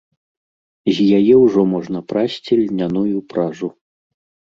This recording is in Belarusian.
З яе ўжо можна прасці льняную пражу.